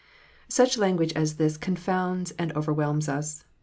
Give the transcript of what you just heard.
Such language as this confounds and overwhelms us.